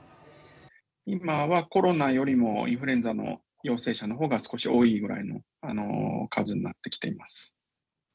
今はコロナよりも、インフルエンザの陽性者のほうが少し多いぐらいの数になってきています。